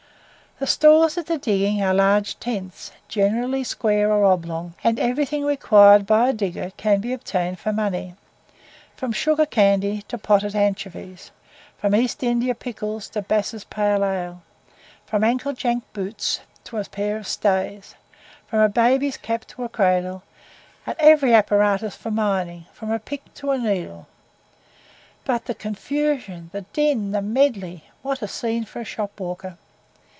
The stores at the diggings are large tents, generally square or oblong, and everything required by a digger can be obtained for money, from sugar candy to potted anchovies; from East India pickles to Bass's pale ale; from ankle jack boots to a pair of stays; from a baby's cap to a cradle; and every apparatus for mining, from a pick to a needle. But the confusion the din the medley what a scene for a shop walker!